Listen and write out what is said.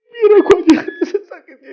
biar aku aja gak tersesatkan ya allah